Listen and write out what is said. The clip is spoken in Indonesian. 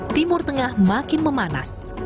timur tengah makin memanas